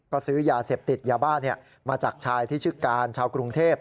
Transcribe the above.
ก็ซื้อยาเสพติดยาบ้ามาจากชายที่ชื่อการชาวกรุงเทพ